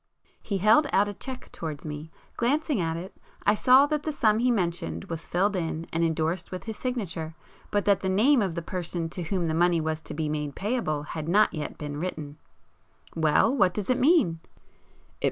He held out a cheque towards me. Glancing at it I saw that the sum he mentioned was filled in and endorsed with his signature, but that the name of the person to whom the money was to be made payable, had not yet been written. "Well? What does it mean?"